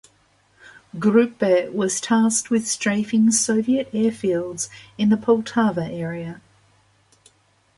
"Gruppe" was tasked with strafing Soviet airfields in the Poltava area.